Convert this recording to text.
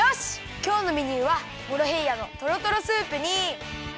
きょうのメニューはモロヘイヤのとろとろスープにきまり！